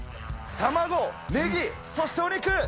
卵、ねぎ、そしてお肉！